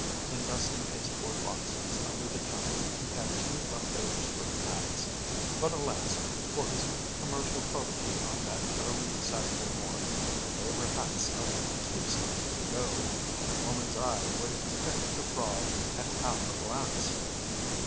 In dusty pasteboard boxes under the counter he had two left over spring hats. But, alas! for his commercial probity on that early Saturday morn—they were hats of two springs ago, and a woman's eye would have detected the fraud at half a glance.